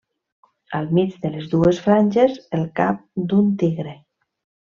Al mig de les dues franges, el cap d'un tigre.